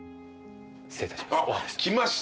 失礼いたします。